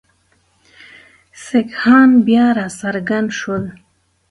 سیکهان بیا را څرګند شول.